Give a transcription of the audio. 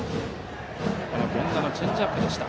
この権田のチェンジアップでした。